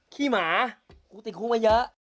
ขี้หมากูติดคุกมาเยอะ